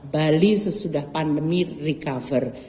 bali sesudah pandemi recover